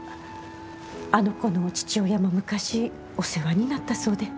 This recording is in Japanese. あの子の父親も昔お世話になったそうで。